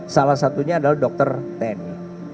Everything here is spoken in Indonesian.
salah satunya adalah dokter tni